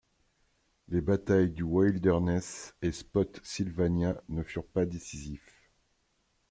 Les batailles du Wilderness et Spotsylvania ne furent pas décisifs.